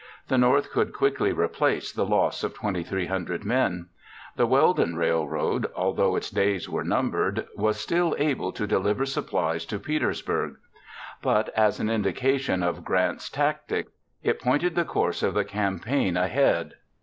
The North could quickly replace the loss of 2,300 men. The Weldon Railroad, although its days were numbered, was still able to deliver supplies to Petersburg. But as an indication of Grant's tactics, it pointed the course of the campaign ahead.